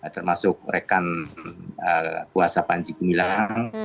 termasuk rekan kuasa panjegu milang